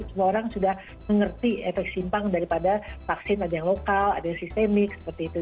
semua orang sudah mengerti efek simpang daripada vaksin ada yang lokal ada yang sistemik seperti itu